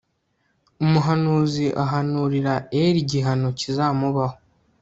umuhanuzi ahanurira eli igihano kizamubaho